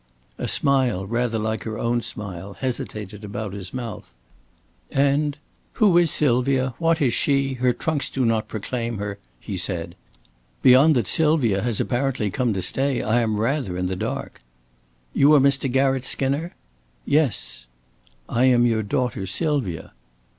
A smile, rather like her own smile, hesitated about his mouth. "And "Who is Sylvia? What is she? Her trunks do not proclaim her!" he said. "Beyond that Sylvia has apparently come to stay, I am rather in the dark." "You are Mr. Garratt Skinner?" "Yes." "I am your daughter Sylvia."